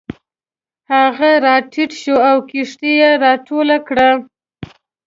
هغه راټیټ شو او کښتۍ یې راټوله کړه.